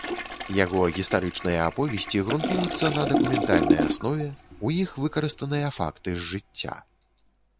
Яго гістарычныя аповесці грунтуюцца на дакументальнай аснове, у іх выкарыстаныя факты з жыцця.